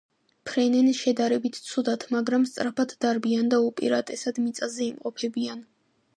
ფრენენ შედარებით ცუდად, მაგრამ სწრაფად დარბიან და უპირატესად მიწაზე იმყოფებიან.